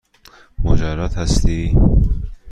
مجرد هستی؟